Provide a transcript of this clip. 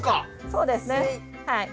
そうですねはい。